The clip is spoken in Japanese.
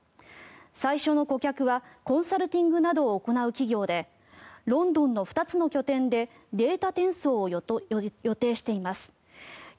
最初の顧客はコンサルティングなどを行う企業でロンドンの２つの拠点でデータ転送を予定しています。